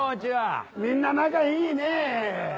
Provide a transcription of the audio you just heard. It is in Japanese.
みんな仲いいね！